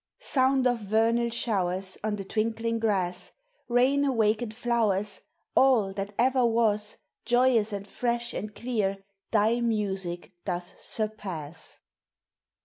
Sound of vernal showers On the twinkling grass, Bain awakened flowers, All that ever was Joyous and fresh and clear thy music doth sur pass.